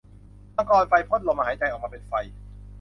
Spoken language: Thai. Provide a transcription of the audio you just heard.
มังกรไฟ พ่นลมหายใจออกมาเป็นไฟ